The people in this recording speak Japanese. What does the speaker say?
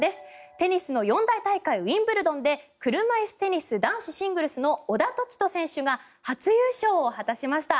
テニスの四大大会ウィンブルドンで車いすテニス男子シングルスの小田凱人選手が初優勝を果たしました。